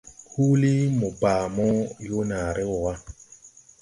Huulí mo baa mo yoo naaré woo wa.